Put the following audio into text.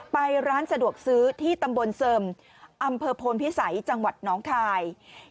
ไปร้านสะดวกซื้อที่ตำบลเสิร์มอำเภอโพนพิสัยจังหวัดน้องคาย